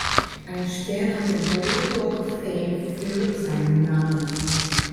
Ein Stern auf dem Hollywood Walk of Fame führt seinen Namen.